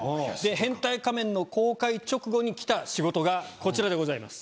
『変態仮面』の公開直後にきた仕事がこちらでございます